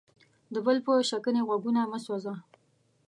د بل په شکنې غوږونه مه سوځه.